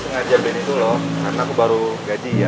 aku sengaja beliin itu loh karena aku baru gaji ya